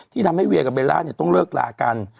ทำให้เวียกับเบลล่าเนี่ยต้องเลิกลากัน